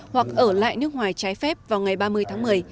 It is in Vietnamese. hoặc ở lại nước ngoài trái phép vào ngày ba mươi tháng một mươi